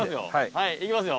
はいいきますよ。